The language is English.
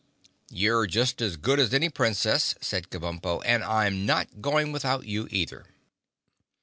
"You're just as good as any Princess," said Kabumpo, "and I'm not going without you, either."